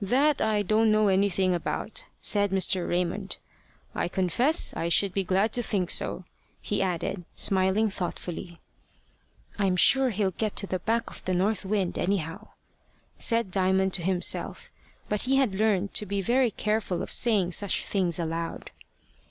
"That I don't know anything about," said Mr. Raymond. "I confess I should be glad to think so," he added, smiling thoughtfully. "I'm sure he'll get to the back of the north wind, anyhow," said Diamond to himself; but he had learned to be very careful of saying such things aloud.